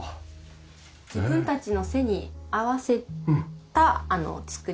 自分たちの背に合わせた作りになっていて。